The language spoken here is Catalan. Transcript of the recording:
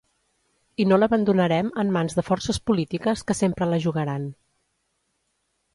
I no l’abandonarem en mans de forces polítiques que sempre la jugaran.